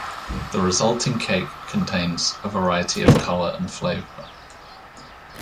The resulting cake contains a variety of colour and flavour.